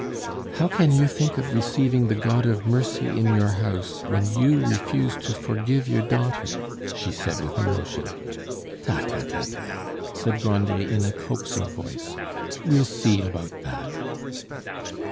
"How can you think of receiving the God of mercy in your house when you refuse to forgive your daughter?" she said with emotion. "Ta, ta, ta, ta!" said Grandet in a coaxing voice. "We'll see about that."